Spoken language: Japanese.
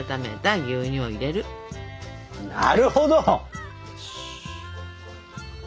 なるほど！